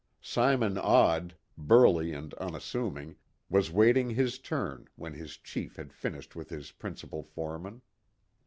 Simon Odd, burly and unassuming, was waiting his turn when his chief had finished with his principal foreman.